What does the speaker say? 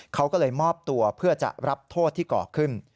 เขาก็เลยมอบตัวเพื่อจะรับโทษที่ก่อขึ้น